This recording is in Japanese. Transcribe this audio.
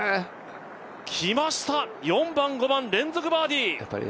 きました、４番、５番連続バーディー！